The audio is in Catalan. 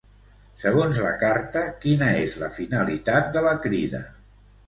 Segons la carta, quina és la finalitat de la Crida?